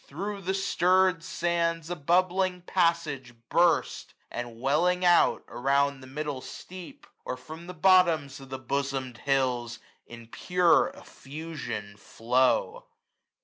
Thro' the stirr'd sands a bubbling passage burst ; And welling out, around the middle steep. Or from the bottoms of the bosom'd hills, 825 In pure effusion flow.